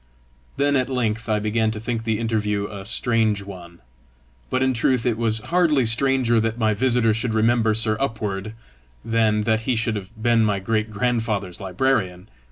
Then at length I began to think the interview a strange one. But in truth it was hardly stranger that my visitor should remember Sir Upward, than that he should have been my great grandfather's librarian!